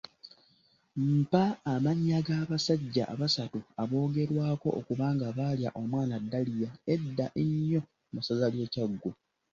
Mpa amannya g’abasajja abasatu aboogerwako okuba nga baalya omwana Daliya edda ennyo mu Ssaza lye Kyaggwe.